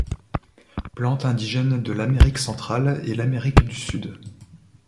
Plante indigène de l'Amérique centrale et l'Amérique du Sud.